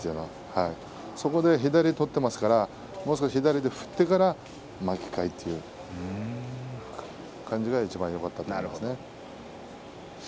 そこで左を取っていますからもう少し左で振ってから巻き替えてという感じがいちばんよかったと思いますね。